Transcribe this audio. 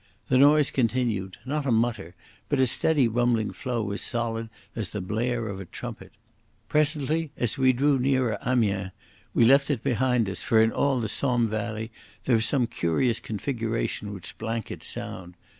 The noise continued—not a mutter, but a steady rumbling flow as solid as the blare of a trumpet. Presently, as we drew nearer Amiens, we left it behind us, for in all the Somme valley there is some curious configuration which blankets sound.